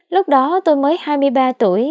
lúc đó tôi mới hai mươi ba tuổi